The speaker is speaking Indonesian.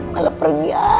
malah pergi aja